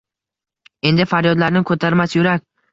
Endi faryodlarni koʻtarmas yurak.